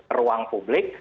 ke ruang publik